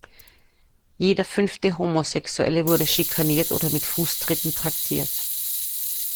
Jeder fünfte Homosexuelle wurde schikaniert oder mit Fußtritten traktiert.